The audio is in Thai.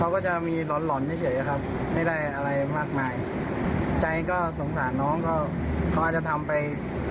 เขาก็จะมีหล่อนหล่อนเฉยอะครับไม่ได้อะไรมากมายใจก็สงสารน้องเขาเขาอาจจะทำไป